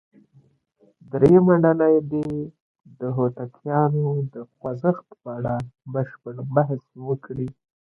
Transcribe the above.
درېمه ډله دې د هوتکیانو د خوځښت په اړه بشپړ بحث وکړي.